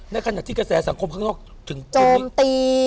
ในขณะที่กระแสสังคมข้างนอกถึงตี